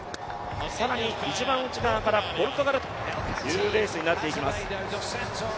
更に、一番内側からポルトガルというレースになっていきます。